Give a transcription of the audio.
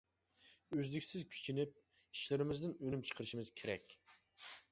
ئۈزلۈكسىز كۈچىنىپ، ئىشلىرىمىزدىن ئۈنۈم چىقىرىشىمىز كېرەك.